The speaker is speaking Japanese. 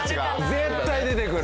絶対出てくる！